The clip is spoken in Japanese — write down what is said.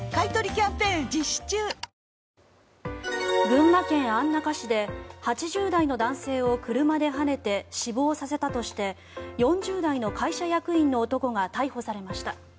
群馬県安中市で８０代の男性を車ではねて死亡させたとして４０代の会社役員の男が逮捕されました。